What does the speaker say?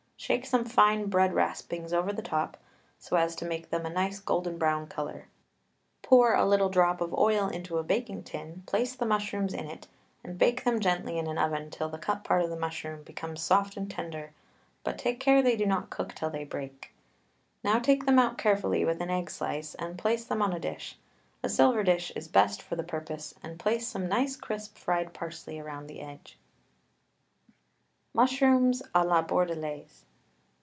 Shake some fine bread raspings over the top so as to make them of a nice golden brown colour, pour a little drop of oil into a baking tin, place the mushrooms in it, and bake them gently in an oven till the cup part of the mushroom becomes soft and tender, but take care they do not cook till they break. Now take them out carefully with an egg slice, and place them on a dish a silver dish is best for the purpose and place some nice, crisp, fried parsley round the edge. MUSHROOMS A LA BORDELAISE.